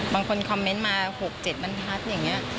บางคนคอมเมนต์มา๖๗บรรทัศน์อย่างนี้